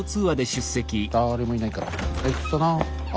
だれもいないから退屈だなあ。